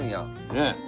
ねえ。